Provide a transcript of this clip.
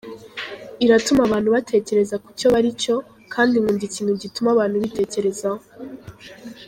Iratuma abantu batekereza ku cyo baricyo, kandi nkunda ikintu gituma abantu bitekerezaho.